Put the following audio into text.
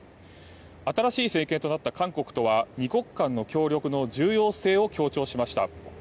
新しい政権となった韓国とは２国間の協力の重要性を強調しました。